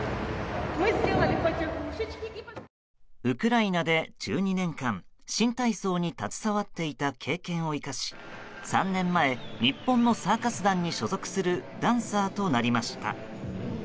ウクライナで１２年間新体操に携わっていた経験を生かし３年前、日本のサーカス団に所属するダンサーとなりました。